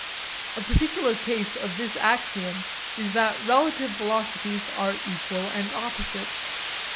A particular case of this axiom is that relative velocities are equal and opposite.